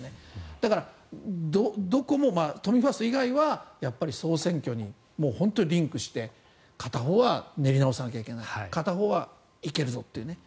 だから、どこも都民ファースト以外は総選挙に本当にリンクして片方は練り直さなきゃいけない片方は行けるぞというね。